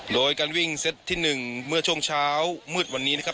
โดยการวิ่งเซตที่๑เมื่อช่วงเช้ามืดวันนี้นะครับ